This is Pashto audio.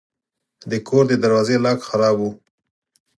د کور د دروازې لاک خراب و.